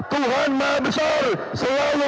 tuhan maha besar selalu